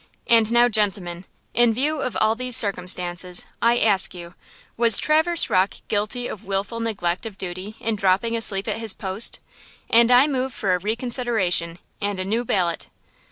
"And now, gentlemen, in view of all these circumstances, I ask you–was Traverse Rock guilty of wilful neglect of duty in dropping asleep at his post? And I move for a reconsideration, and a new ballot!"